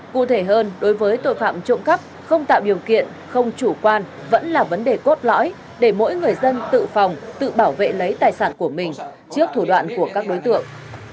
cụ thể hơn đối với tội phạm trộm cắp không tạo điều kiện không chủ quan vẫn là vấn đề cốt lõi để mỗi người dân tự phòng tự bảo vệ lấy tài sản của mình trước thủ đoạn của các đối tượng